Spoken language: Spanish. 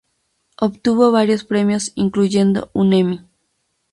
Obtuvo varios premios, incluyendo un Emmy.